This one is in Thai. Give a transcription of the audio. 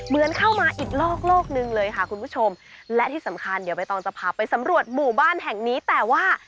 เหมือนเข้ามาอีกโลกโลกหนึ่งเลยค่ะคุณผู้ชมและที่สำคัญเดี๋ยวใบตองจะพาไปสำรวจหมู่บ้านแห่งนี้แต่ว่า